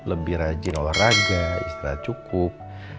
lebih rajin olahraga istirahat cukup